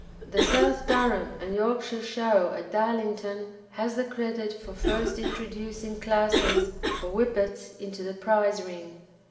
The South Durham and Yorkshire Show at Darlington has the credit for first introducing classes for Whippets into the prize ring.